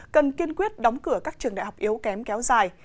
cần kiên quyết đóng cửa các trường đại học yếu kém kéo dài